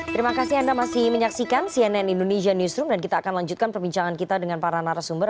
terima kasih anda masih menyaksikan cnn indonesia newsroom dan kita akan lanjutkan perbincangan kita dengan para narasumber